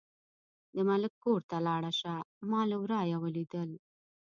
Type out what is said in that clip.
د ملک کور ته لاړه شه، ما له ورايه ولیدل.